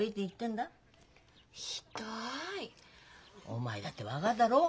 お前だって分かっだろ？